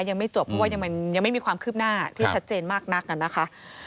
ยังไม่จบเพราะว่ายังไม่มีความคืบหน้าที่ชัดเจนมากนักนะคะ